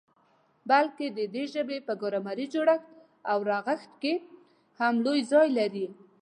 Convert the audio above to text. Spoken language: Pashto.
بلکي د دغي ژبي په ګرامري جوړښت او رغښت کي هم لوی ځای لري.